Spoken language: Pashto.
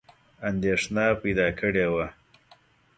اندېښنه پیدا کړې وه.